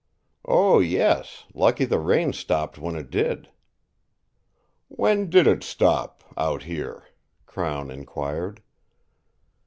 "Oh, yes; lucky the rain stopped when it did." "When did it stop out here?" Crown inquired.